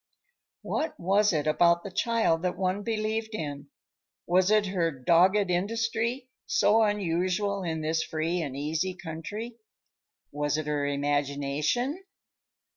What was it about the child that one believed in? Was it her dogged industry, so unusual in this free and easy country? Was it her imagination?